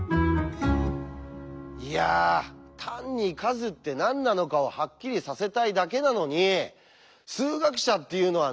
いや単に「数」って何なのかをハッキリさせたいだけなのに数学者っていうのはね